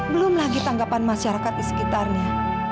belum lagi tanggapan masyarakat di sekitarnya